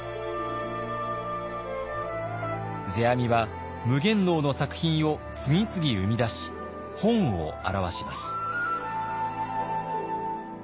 世阿弥は夢幻能の作品を次々生み出し本を著します。